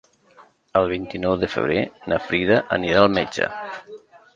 El vint-i-nou de febrer na Frida anirà al metge.